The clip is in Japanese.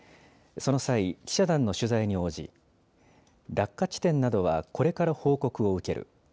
その際、記者団の取材に応じ落下地点などはこれから報告を受ける。